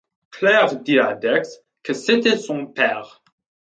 Claire dit à Dex que c'était son père.